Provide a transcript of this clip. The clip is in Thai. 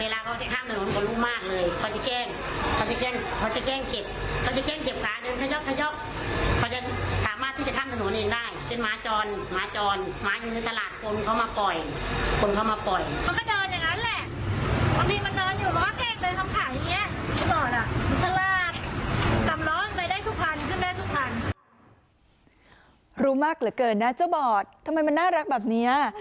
รู้มากเหลือเกินนะเจ้าบอดทำไมมันน่ารักแบบนี้